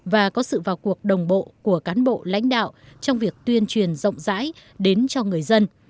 và có sự vào cuộc đồng bộ của cán bộ lãnh đạo trong việc tuyên truyền rộng rãi đến cho người dân